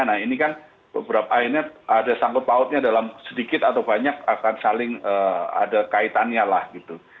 nah ini kan beberapa akhirnya ada sangkut pautnya dalam sedikit atau banyak akan saling ada kaitannya lah gitu